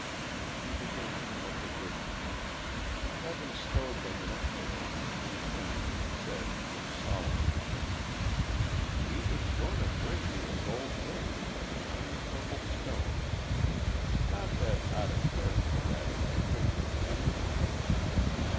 She began to pick up the dishes. Having stowed them in a pail, she turned and said, in a solemn manner: "He was goin' t' bring me a gold ring with a shiny purple stone in it. Not that I'd 'a' cared for that if I could have had him."